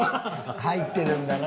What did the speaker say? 入ってるんだな。